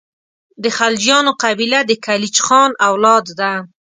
د خلجیانو قبیله د کلیج خان اولاد ده.